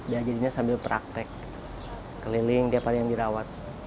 diajarin sambil praktik keliling tiap hari yang dirawat